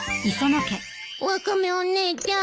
ワカメお姉ちゃん。